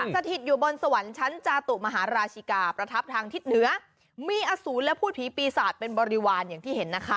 สถิตอยู่บนสวรรค์ชั้นจาตุมหาราชิกาประทับทางทิศเหนือมีอสูรและพูดผีปีศาจเป็นบริวารอย่างที่เห็นนะคะ